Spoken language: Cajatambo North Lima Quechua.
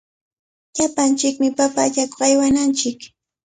Llapanchikmi papa allakuq aywananchik.